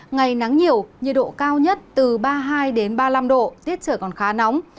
ngày nắng nhiều nhiệt độ cao nhất từ ba mươi hai ba mươi năm độ tiết trời còn khá nóng